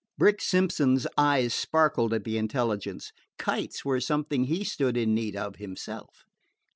Brick Simpson's eyes sparkled at the intelligence. Kites were something he stood in need of himself.